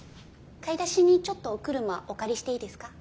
買い出しにちょっとお車お借りしていいですか？